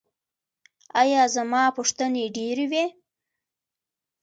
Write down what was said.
ایا زما پوښتنې ډیرې وې؟